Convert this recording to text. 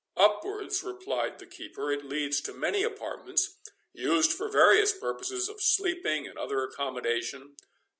"Upwards," replied the keeper, "it leads to many apartments, used for various purposes, of sleeping, and other accommodation.